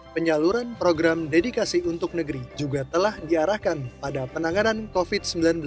penyaluran program dedikasi untuk negeri juga telah diarahkan pada penanganan covid sembilan belas